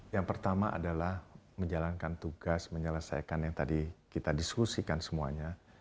yang pertama adalah menjalankan tugas menyelesaikan yang tadi kita diskusikan semuanya